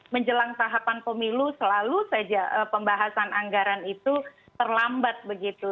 menjelang tahapan pemilu selalu saja pembahasan anggaran itu terlambat begitu